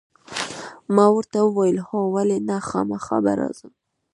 ما ورته وویل: هو، ولې نه، خامخا به راځم.